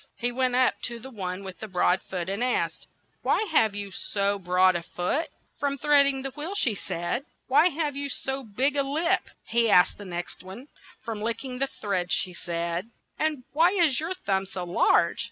He went up to the one with the broad foot and asked, "Why have you so broad a foot?" "From treading the wheel," she said. 'Why have you so big a lip?" he asked the next one. "From lick ing the thread," she said. ' 'And why is your thumb so large